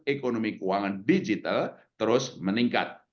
ekonomi keuangan digital terus meningkat